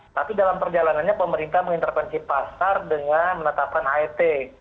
tapi dalam perjalanannya pemerintah mengintervensi pasar dengan menetapkan het